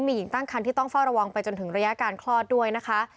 มีหญิงตั้งคันที่ต้องเฝ้าระวังไปจนถึงระยะการคลอดด้วยนะคะ